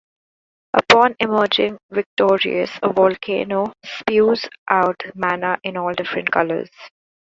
Upon emerging victorious, a volcano spews out mana in all different colours.